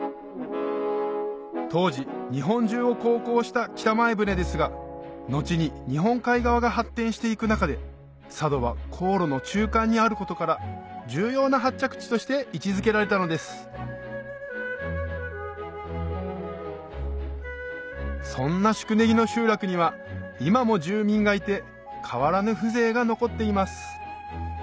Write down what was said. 当時日本中を航行した北前船ですが後に日本海側が発展していく中で佐渡は航路の中間にあることから重要な発着地として位置付けられたのですそんな宿根木の集落には今も住民がいて変わらぬ風情が残っています